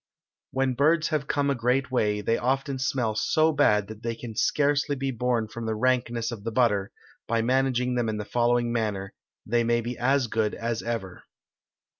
When birds have come a great way, they often smell so bad that they can scarcely be borne from the rankness of the butter, by managing them in the following manner, they may be as good as ever.